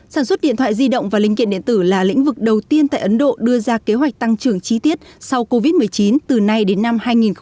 sản xuất điện thoại di động và linh kiện điện tử là lĩnh vực đầu tiên tại ấn độ đưa ra kế hoạch tăng trưởng chi tiết sau covid một mươi chín từ nay đến năm hai nghìn hai mươi